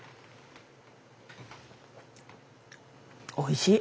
おいしい。